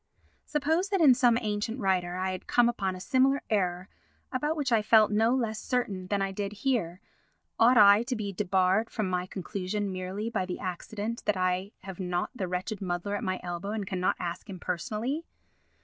Suppose that in some ancient writer I had come upon a similar error about which I felt no less certain than I did here, ought I to be debarred from my conclusion merely by the accident that I have not the wretched muddler at my elbow and cannot ask him personally?